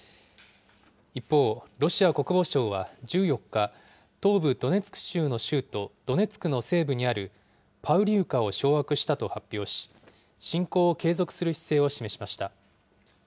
一方、ロシア国防省は１４日、東部ドネツク州の州都ドネツクの西部にあるパウリウカを掌握したと発表し、侵攻を継続する姿勢を示しました。